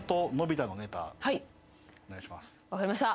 お願いします。